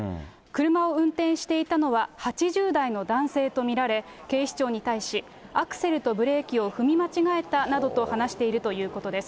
車を運転していたのは８０代の男性と見られ、警視庁に対し、アクセルとブレーキを踏み間違えたなどと話しているということです。